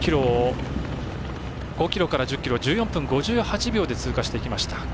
５ｋｍから１０ｋｍを１４分５８秒で通過していきました。